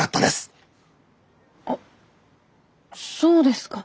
あっそうですか。